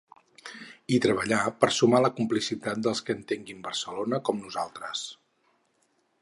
I treballar per sumar la complicitat dels que entenguin Barcelona com nosaltres.